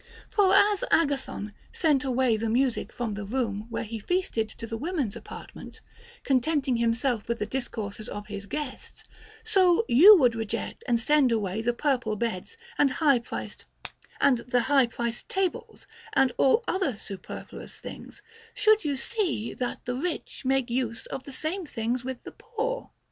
For as Agathon sent away the music from the room where he feasted to the women's apartment, contenting himself with the discourses of his guests, so you would reject and send away the purple beds and the high prized tables and all other superfluous things, should you see that the rich make use of the same things with the poor.